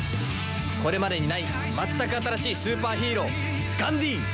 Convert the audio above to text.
これまでにない全く新しいスーパーヒーローガンディーン！